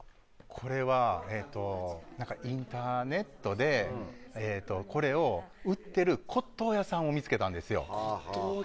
これは、インターネットでこれを売ってる骨董屋さんを見つけたんですよ。